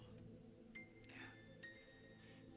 dia sekalian berkata